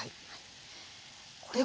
これは？